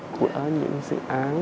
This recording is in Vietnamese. của những dự án